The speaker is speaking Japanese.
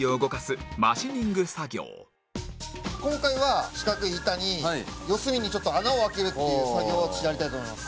今回は四角い板に四隅にちょっと穴を開けるっていう作業を私やりたいと思います。